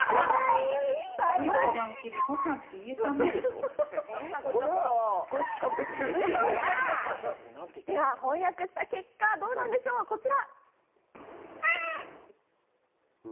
では、翻訳した結果どうなんでしょう、こちら。